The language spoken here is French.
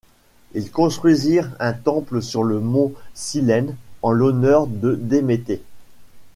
Ils construisirent un temple sur le Mont Cyllène en l'honneur de Déméter.